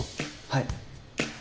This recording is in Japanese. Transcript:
はい。